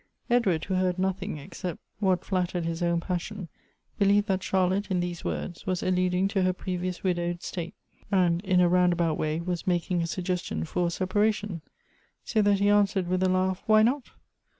Edward, who heard nothing except what flattered his own passion, believed that Charlotte, in these words, was ."illuding to her previous widowed state, and, in a rounda bout Wiiy, was making a suggestion for a separation ; so that he answered, with a laugh, "Wliy not?